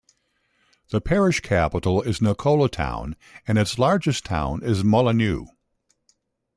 The parish capital is Nichola Town and its largest town is Molyneux.